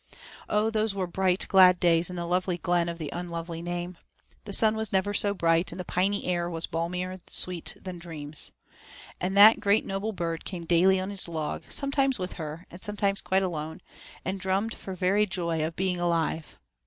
Oh, those were bright, glad days in the lovely glen of the unlovely name. The sun was never so bright, and the piney air was balmier sweet than dreams. And that great noble bird came daily on his log, sometimes with her and sometimes quite alone, and drummed for very joy of being alive.